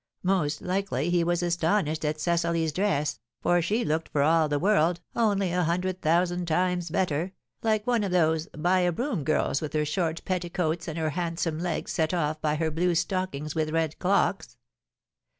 Most likely, he was astonished at Cecily's dress, for she looked for all the world (only a hundred thousand times better) like one of those 'buy a broom' girls with her short petticoats and her handsome legs set off by her blue stockings with red clocks.